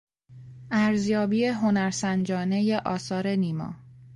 ارزیابی هنرسنجانهی آثار نیما